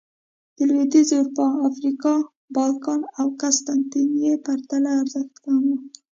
د لوېدیځې اروپا، افریقا، بالکان او قسطنطنیې پرتله ارزښت کم و